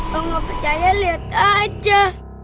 lo gak percaya liat aja